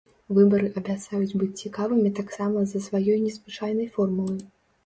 Выбары абяцаюць быць цікавымі таксама з-за сваёй незвычайнай формулы.